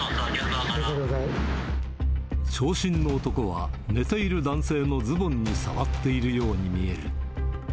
長身の男は、寝ている男性のズボンに触っているように見える。